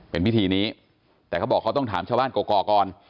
เป็นพิธีนี้แต่เขาบอกเขาต้องถามชาวบ้านกรกก่อน